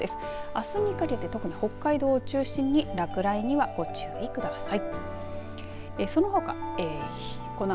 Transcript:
あすにかけて特に北海道を中心に落雷にはご注意ください。